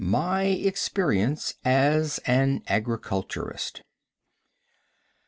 My Experience as an Agriculturist.